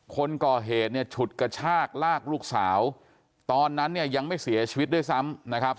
คนก่อเหตุเนี่ยฉุดกระชากลากลูกสาวตอนนั้นเนี่ยยังไม่เสียชีวิตด้วยซ้ำนะครับ